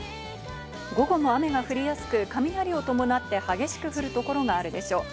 午後も雨が降りやすく雷を伴って激しく降る所があるでしょう。